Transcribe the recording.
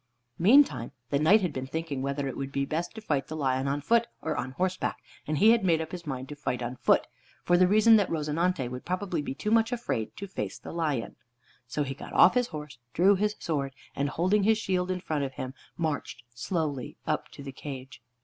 Meantime the Knight had been thinking whether it would be best to fight the lion on foot or on horseback, and he had made up his mind to fight on foot, for the reason that "Rozinante" would probably be too much afraid to face the lion. So he got off his horse, drew his sword, and holding his shield in front of him, marched slowly up to the cage.